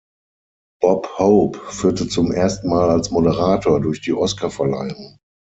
Bob Hope führte zum ersten Mal als Moderator durch die Oscarverleihung.